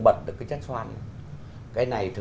vâng về tác phẩm này như